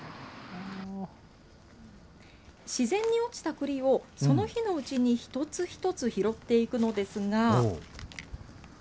自然に落ちたくりをその日のうちに一つ一つ拾っていくのですが。